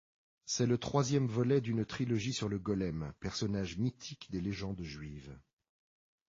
C'est le troisième volet d'une trilogie sur le golem, personnage mythique des légendes juives.